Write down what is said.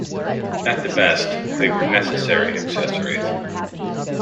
At the best, they were necessary accessories.